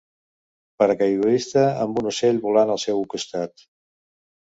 Paracaigudista amb un ocell volant al seu costat